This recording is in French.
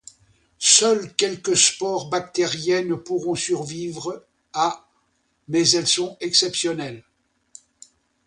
Seules quelques spores bactériennes pourront survivre à mais elles sont exceptionnelles.